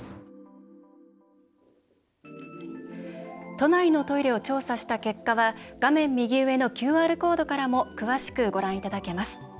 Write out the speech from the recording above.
都内のトイレを調査した結果は画面右上のＱＲコードからも詳しくご覧いただけます。